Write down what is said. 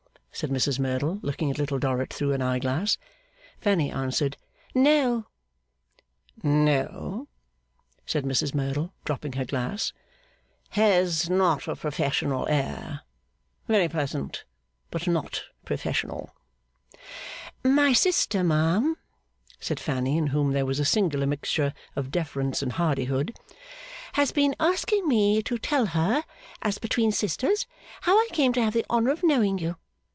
said Mrs Merdle, looking at Little Dorrit through an eye glass. Fanny answered No. 'No,' said Mrs Merdle, dropping her glass. 'Has not a professional air. Very pleasant; but not professional.' 'My sister, ma'am,' said Fanny, in whom there was a singular mixture of deference and hardihood, 'has been asking me to tell her, as between sisters, how I came to have the honour of knowing you.